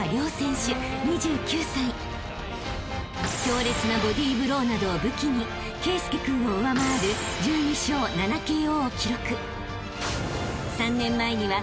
［強烈なボディブローなどを武器に圭佑君を上回る１２勝７ＫＯを記録］